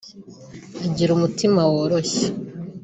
Agira umutima woroshye